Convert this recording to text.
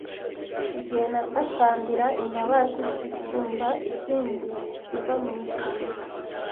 igihe natakambira imbabazi zisumba izindi ziva mu ijuru